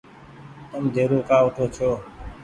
تم ديرو ڪآ اوٺو ڇو ۔